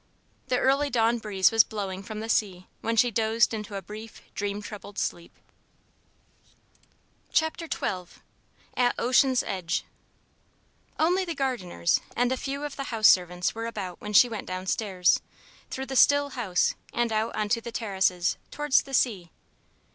The early dawn breeze was blowing from the sea when she dozed into a brief, dream troubled sleep. XII AT OCEAN'S EDGE Only the gardeners and a few of the house servants were about when she went down stairs, through the still house and out on to the terraces, towards the sea.